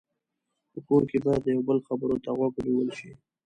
په کور کې باید د یو بل خبرو ته غوږ ونیول شي.